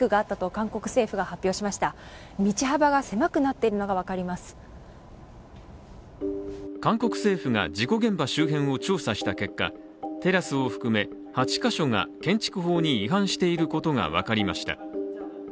韓国政府が事故現場周辺を調査した結果、テラスを含め８か所が建築法に違反していることが分かりました。